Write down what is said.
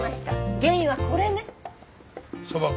原因はこれね。